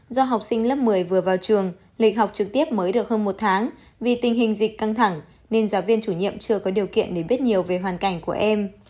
do học sinh lớp một mươi vừa vào trường lịch học trực tiếp mới được hơn một tháng vì tình hình dịch căng thẳng nên giáo viên chủ nhiệm chưa có điều kiện để biết nhiều về hoàn cảnh của em